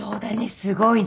すごいね。